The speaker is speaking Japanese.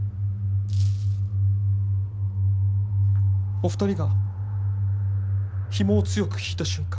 お二人がひもを強く引いた瞬間